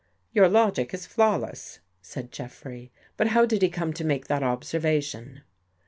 ''" Your logic is flawless," said Jeffrey. " But how did he come to make that observation?